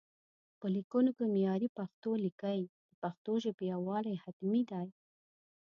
په ليکونو کې معياري پښتو ليکئ، د پښتو ژبې يووالي حتمي دی